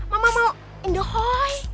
mama mau indahoy